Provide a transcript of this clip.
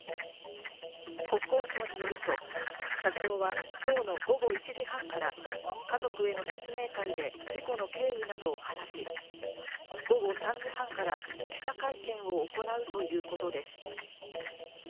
国交省によると、社長は今日の午後１時半から家族への説明会で事故の経緯などを話し、午後３時半から記者会見を行うということです。